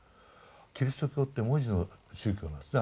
キリスト教って文字の宗教なんですね